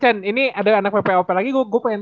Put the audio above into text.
chen ini ada anak ppop lagi gue pengen